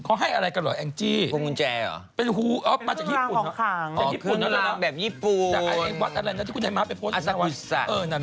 จากไอ้วัดอะไรนะที่คุณให้มาไปโพสต์อาซากุศักดิ์เออนั่น